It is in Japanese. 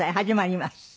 始まります。